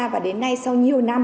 và đến nay sau nhiều năm